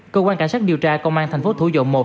cơ quan cảnh sát điều tra công an thành phố thủ dội một